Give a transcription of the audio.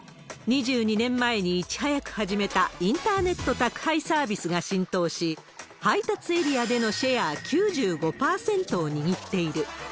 ２２年前にいち早く始めたインターネット宅配サービスが浸透し、配達エリアでのシェア９５％を握っている。